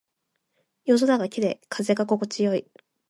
夜空が綺麗。風が心地よい。